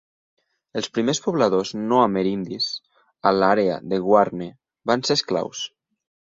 Els primers pobladors no amerindis a l'àrea de Guarne van ser esclaus.